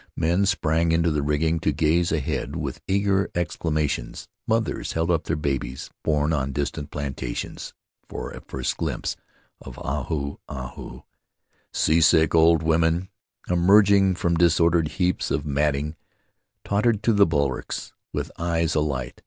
Men sprang into the rigging to gaze ahead with eager exclamations; mothers held up their babies — born on distant plantations — for a first glimpse of Ahu Ahu; seasick old women, emerging from disordered heaps of matting, tottered to the bulwarks with eyes alight.